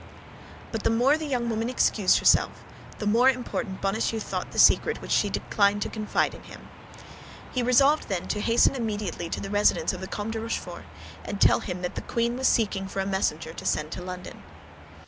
But the more the young woman excused herself, the more important Bonacieux thought the secret which she declined to confide to him. He resolved then to hasten immediately to the residence of the Comte de Rochefort, and tell him that the queen was seeking for a messenger to send to London.